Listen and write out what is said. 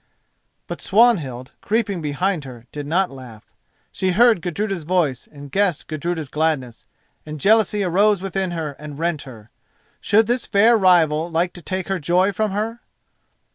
_" But Swanhild, creeping behind her, did not laugh. She heard Gudruda's voice and guessed Gudruda's gladness, and jealousy arose within her and rent her. Should this fair rival live to take her joy from her?